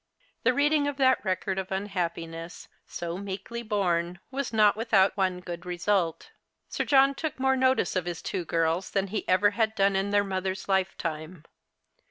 The reading of that record of unhappiness, so meekly borne, was not without one good result. Sir John took more notice of his two girls than he had ever done in their mother's lifetime.